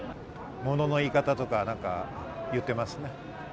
ものの言い方とか、何か言っていますね。